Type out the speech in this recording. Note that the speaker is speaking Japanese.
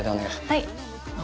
はい。